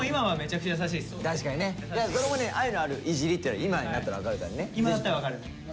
確かにね。それもね愛のあるいじりっていうの今になったら分かるからね。